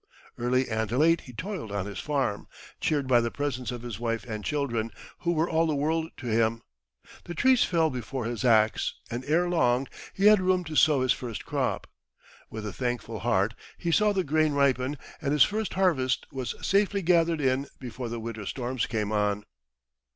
Early and late he toiled on his farm, cheered by the presence of his wife and children, who were all the world to him. The trees fell before his axe, and ere long he had room to sow his first crop. With a thankful heart he saw the grain ripen, and his first harvest was safely gathered in before the winter storms came on.